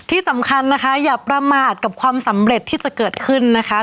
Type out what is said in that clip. ที่สำคัญนะคะอย่าประมาทกับความสำเร็จที่จะเกิดขึ้นนะคะ